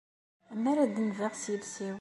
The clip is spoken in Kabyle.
Ammar ad denbeɣ s yiles-iw.